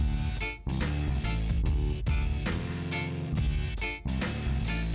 ayatmu mantap pak minyak